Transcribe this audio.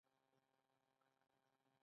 آیا اور بلول د میلمه د راتلو نښه نه کیدی شي؟